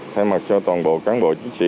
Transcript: thay mặt cho toàn bộ cán bộ chiến sĩ